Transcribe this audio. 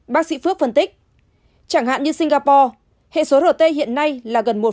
bác sĩ phước phân tích chẳng hạn như singapore hệ số rt hiện nay là gần một